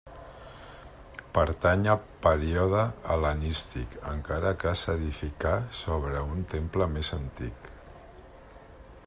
Pertany al període hel·lenístic, encara que s'edificà sobre un temple més antic.